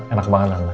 enak enak banget mas